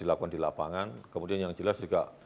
dilakukan di lapangan kemudian yang jelas juga